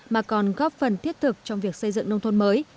mà còn góp phần thiết thực trong việc xây dựng nông thôn mới